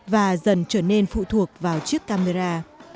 và dần trở nên phụ thuộc vào chiếc camera